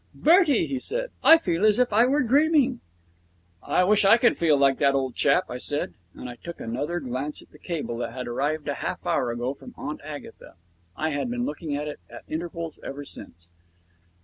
'Bertie,' he said, 'I feel as if I were dreaming.' 'I wish I could feel like that, old top,' I said, and I took another glance at a cable that had arrived half an hour ago from Aunt Agatha. I had been looking at it at intervals ever since.